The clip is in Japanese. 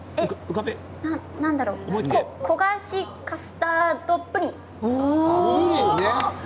何だろう焦がしカスタードプリン？